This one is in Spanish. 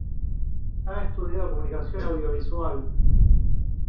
Ha estudiado Comunicación Audiovisual.